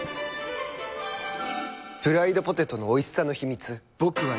プライドポテトのおいしさの秘密。